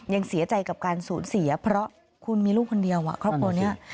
ยังเสียใจกับการสูญเสียเพราะคุณมีลูกคนเดียวครอบครัวนี้